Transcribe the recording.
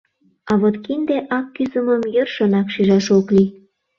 — А вот кинде ак кӱзымым йӧршынак шижаш ок лий.